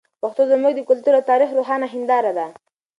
پښتو زموږ د کلتور او تاریخ روښانه هنداره ده.